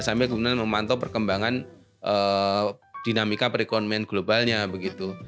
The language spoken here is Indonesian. sambil kemudian memantau perkembangan dinamika perekonomian globalnya begitu